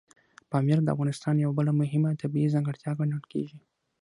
پامیر د افغانستان یوه بله مهمه طبیعي ځانګړتیا ګڼل کېږي.